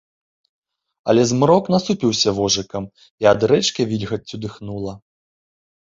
Але змрок насупіўся вожыкам, і ад рэчкі вільгаццю дыхнула.